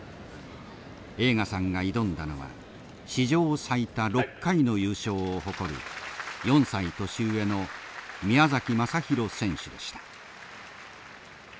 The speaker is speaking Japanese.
栄花さんが挑んだのは史上最多６回の優勝を誇る４歳年上の宮崎正裕選手でした。